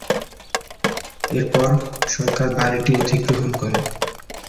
এরপর সরকার বাড়িটি অধিগ্রহণ করে।